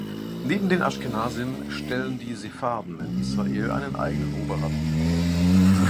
Neben den Aschkenasim stellen die Sepharden in Israel einen eigenen Oberrabbiner.